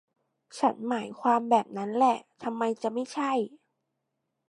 ฉันหมายความแบบนั้นแหละ ทำไมจะไม่ใช่